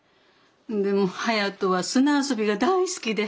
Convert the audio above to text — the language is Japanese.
でも颯人は砂遊びが大好きで。